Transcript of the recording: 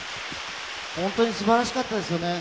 本当に素晴らしかったですよね。